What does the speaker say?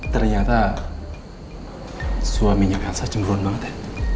ternyata suaminya riansa cemburan banget ya